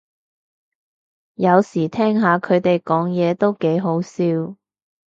有時聽下佢哋講嘢都幾好笑